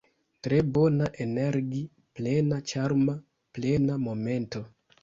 Tre bona energi-plena ĉarma plena momento